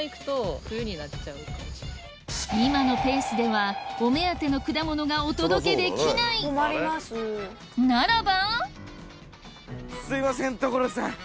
今のペースではお目当ての果物がお届けできないならばすいません所さん